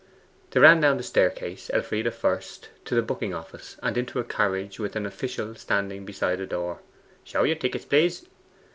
They ran down the staircase Elfride first to the booking office, and into a carriage with an official standing beside the door. 'Show your tickets, please.